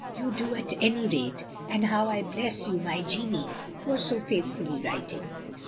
You do at any rate, and how I bless you, my Jeannie, for so faith fully writing.